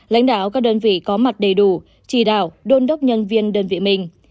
lãnh đạo các đơn vị có mặt đầy đủ chỉ đạo đôn đốc nhân viên đơn vị mình